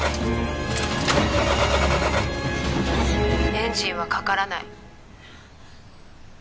エンジンはかからない。